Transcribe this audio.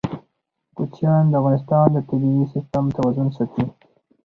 کوچیان د افغانستان د طبعي سیسټم توازن ساتي.